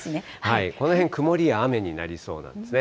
この辺、曇りや雨になりそうなんですね。